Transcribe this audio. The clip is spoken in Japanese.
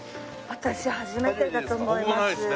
私初めてだと思います。